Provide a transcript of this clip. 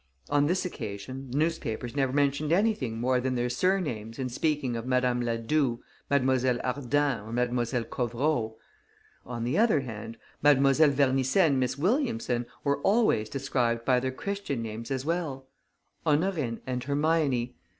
On this occasion, the newspapers never mentioned anything more than their surnames in speaking of Madame Ladoue, Mlle. Ardent or Mlle. Covereau. On the other hand, Mlle. Vernisset and Miss Williamson were always described by their Christian names as well: Honorine and Hermione.